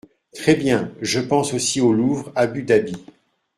Très bien ! Je pense aussi au Louvre Abu Dhabi.